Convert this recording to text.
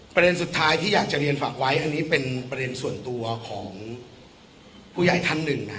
ประเด็นสุดท้ายที่อยากจะเรียนฝากไว้อันนี้เป็นประเด็นส่วนตัวของผู้ใหญ่ท่านหนึ่งนะฮะ